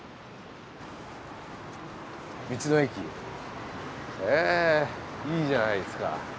道の駅いいじゃないですか。